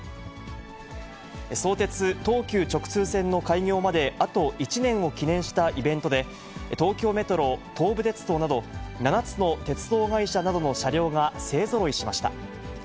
相鉄・東急直通線の開業まであと１年を記念したイベントで、東京メトロ、東武鉄道など、７つの鉄道会社などの車両が勢ぞろいしました。